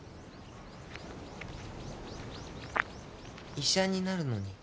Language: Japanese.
医者になるのに？